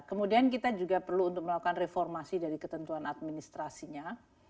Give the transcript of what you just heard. kemudian kita juga perlu untuk melakukan reformasi dari ketentuan administrasinya